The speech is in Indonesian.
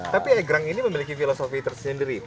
tapi egrang ini memiliki filosofi tersendiri